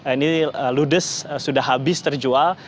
ini ludes sudah habis terjual